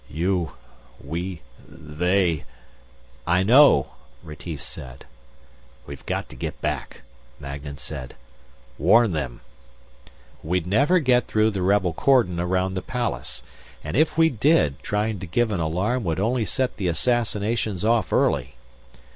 "You.... we.... they...." "I know," Retief said. "We've got to get back," Magnan said, "Warn them!" "We'd never get through the rebel cordon around the palace. And if we did, trying to give an alarm would only set the assassinations off early."